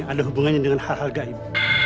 ada hubungannya dengan hal hal gaib